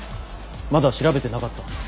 まだ調べてなかった。